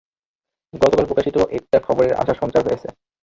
গতকাল প্রকাশিত একটা খবরে আশার সঞ্চার হয়েছে।